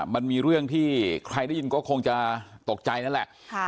มันมีเรื่องที่ใครได้ยินก็คงจะตกใจนั่นแหละ